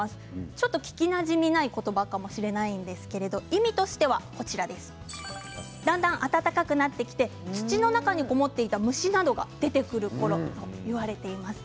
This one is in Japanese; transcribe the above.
ちょっと聞きなじみない言葉かもしれないですけれども意味としてはだんだん暖かくなってきて土の中に籠もっていた虫などが出てくるころと言われています。